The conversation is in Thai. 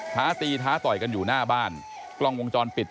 ท้าตีท้าต่อยกันอยู่หน้าบ้านกล้องวงจรปิด